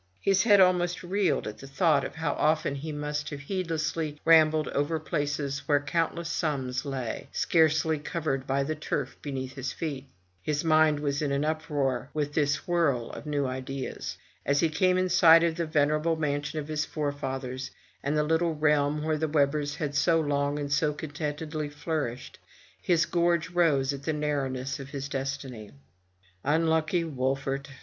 His head almost reeled at the thought 114 FROM THE TOWER WINDOW how often he must have heedlessly rambled over places where countless sums lay, scarcely covered by the turf beneath his feet. His mind was in an uproar with this whirl of new ideas. As he came in sight of the venerable mansion of his forefathers, and the little realm where the Webbers had so long, and so contentedly flourished, his gorge rose at the narrowness of his destiny. ''Unlucky Wolfert!